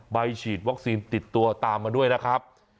ฉีดวัคซีนติดตัวตามมาด้วยนะครับ